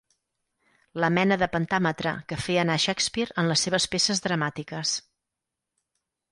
La mena de pentàmetre que feia anar Shakespeare en les seves peces dramàtiques.